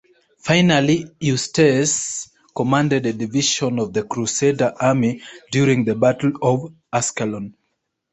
Finally Eustace commanded a division of the crusader army during the Battle of Ascalon.